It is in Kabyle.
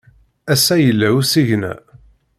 Ass-a, yella usigna.